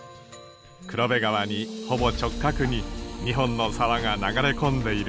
黒部川にほぼ直角に２本の沢が流れ込んでいるのです。